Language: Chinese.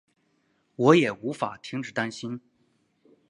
我也无法停止担心